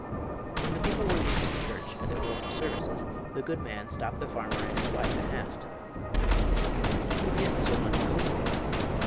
When the people were leaving the church at the close of the services the good man stopped the farmer and his wife and asked: "Where did you get so much gold?"